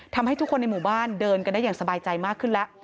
ทำให้ทุกคนในหมู่บ้านเดินกันได้อย่างสบายใจมากขึ้นแล้ว